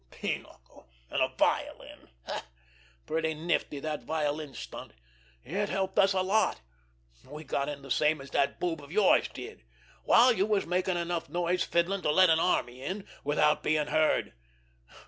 Pinochle and a violin! Pretty nifty, that violin stunt! It helped a lot—we got in the same as that boob of yours did—while you was making enough noise fiddling to let an army in without being heard.